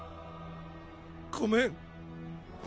ごめん。